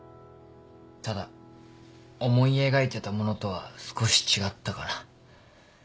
ただ思い描いてたものとは少し違ったかな。